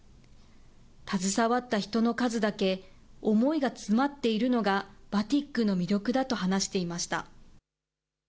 携わった人の数だけ思いが詰まっているのがバティックの魅力だと話していました。